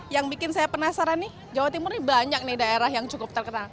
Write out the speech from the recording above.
yang bikin saya penasaran nih jawa timur ini banyak nih daerah yang cukup terkenal